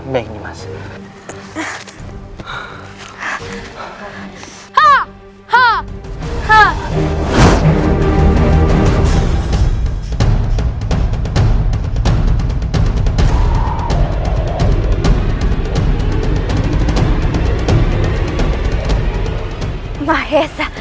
baik nih mas